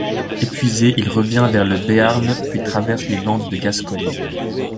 Épuisé, il revient vers le Béarn puis traverse les Landes de Gascogne.